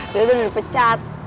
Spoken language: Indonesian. dia udah dipecat